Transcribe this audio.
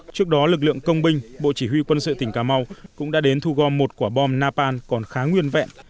trước đó lực lượng công binh bộ chỉ huy quân sự tỉnh cà mau cũng đã đến thu gom một quả bom napal còn khá nguyên vẹn